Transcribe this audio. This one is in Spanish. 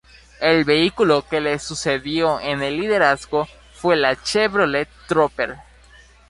El vehículo que le sucedió en el liderazgo fue la Chevrolet Trooper.